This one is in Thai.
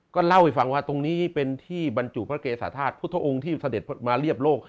ก็เล่าให้ฟังว่าตรงนี้เป็นที่บรรจุพระเกษาธาตุพุทธองค์ที่เสด็จมาเรียบโลก